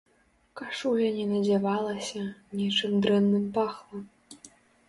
Кашуля не надзявалася, нечым дрэнным пахла.